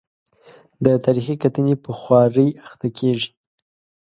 د تاریخي کتنې په خوارۍ اخته کېږي.